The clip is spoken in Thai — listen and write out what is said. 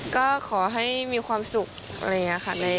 ก็ขอให้มีความสุขอะไรอย่างนี้ค่ะ